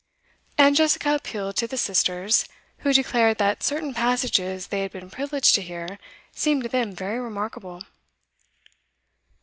And Jessica appealed to the sisters, who declared that certain passages they had been privileged to hear seemed to them very remarkable.